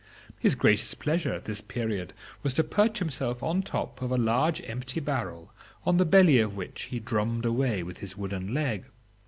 His greatest pleasure at this period was to perch himself on the top of a large empty barrel, on the belly of which he drummed away with his wooden leg.